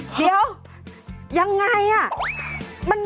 เดี๋ยวยังไงอ่ะ